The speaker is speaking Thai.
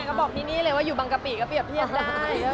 ก็บอกที่นี่เลยว่าอยู่บางกะปิก็เรียบเทียบได้